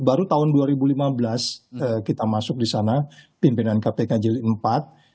baru tahun dua ribu lima belas kita masuk di sana pimpinan kpk jilid empat